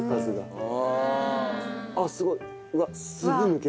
あっすごいうわ。